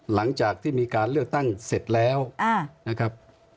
หลังจากที่มีการเลือกตั้งเสร็จแล้วนะครับ